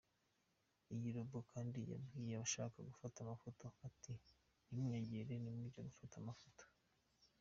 Iyi robot kandi yabwiye abashakaga gufata amafoto iti “Ntimunyegere nimujya gufata amafoto.